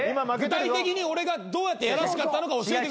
具体的に俺がどうやってやらしかったのか教えてください。